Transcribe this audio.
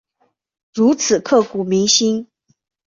如此刻骨铭心